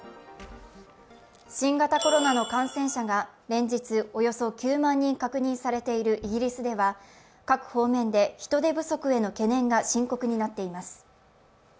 新型コロナの感染者が連日およそ９万人確認されているイギリスでは各方面で人手不足への懸念が深刻になっています。